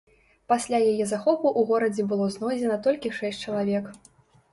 Пасля яе захопу ў горадзе было знойдзена толькі шэсць чалавек.